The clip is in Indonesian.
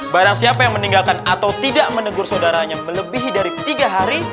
barang siapa yang meninggalkan atau tidak menegur saudaranya melebihi dari tiga hari